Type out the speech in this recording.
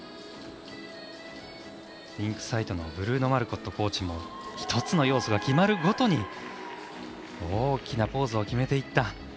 リンクサイドのブルーノ・マルコットコーチも１つの要素が決まるごとに大きなポーズを決めていった。